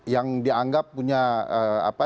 yang dianggap punya